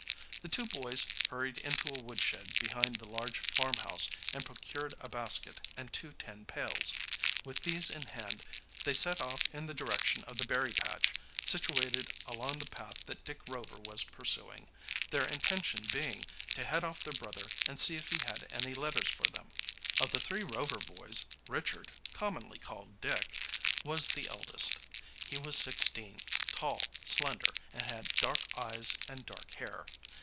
The two boys hurried into a woodshed behind the large farmhouse and procured a basket and two tin pails. With these in hand they set off in the direction of the berry patch, situated along the path that Dick Rover was pursuing, their intention being to head off their brother and see if he had any letters for them. Of the three Rover boys, Richard, commonly called Dick, was the eldest. He was sixteen, tall, slender, and had dark eyes and dark hair.